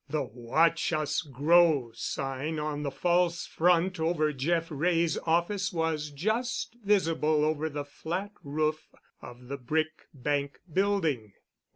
The "Watch Us Grow" sign on the false front over Jeff Wray's office was just visible over the flat roof of the brick bank building.